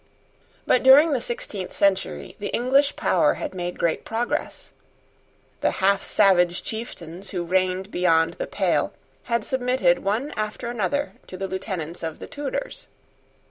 But during the sixteenth century, the English power had made great progress. The half savage chieftains who reigned beyond the pale had submitted one after another to the lieutenants of the Tudors.